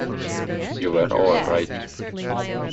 You were all right.